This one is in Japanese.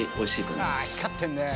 光ってるね！